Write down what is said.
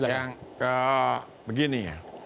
yang begini ya